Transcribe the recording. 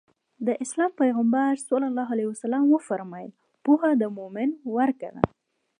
د اسلام پيغمبر ص وفرمايل پوهه د مؤمن ورکه ده.